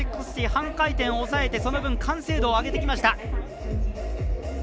半回転を抑えてその分、完成度を上げてきました。